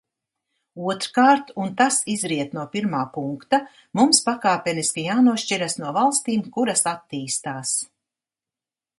Otrkārt, un tas izriet no pirmā punkta, mums pakāpeniski jānošķiras no valstīm, kuras attīstās.